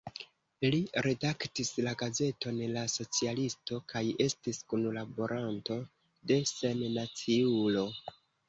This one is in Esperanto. Li redaktis la gazeton "La Socialisto" kaj estis kunlaboranto de "Sennaciulo.